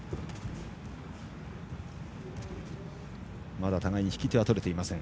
まだ互いに引き手はとれていません。